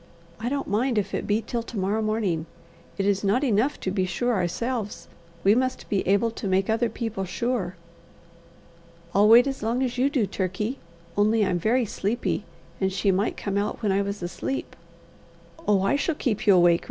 I don't mind if it be till to morrow morning. It is not enough to be sure ourselves; we must be able to make other people sure." "I'll wait as long as you do, Turkey; only I'm very sleepy, and she might come out when I was asleep." "Oh, I shall keep you awake!"